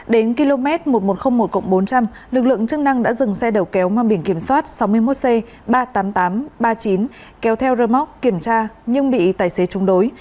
đến km một nghìn một trăm linh một bốn trăm linh lực lượng chức năng đã dừng xe đầu kéo mang biển kiểm soát sáu mươi một c ba mươi tám nghìn tám trăm ba mươi chín kéo theo rơ móc kiểm tra nhưng bị tài xế chống đối